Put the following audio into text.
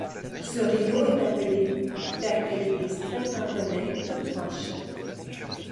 Ce rio est appelé d'après l'Église Sant'Antonin toute proche.